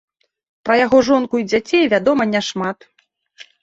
Пра яго жонку і дзяцей вядома няшмат.